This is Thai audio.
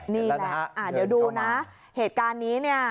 นี่แหละเดี๋ยวดูนะเหตุการณ์นี้เนี่ย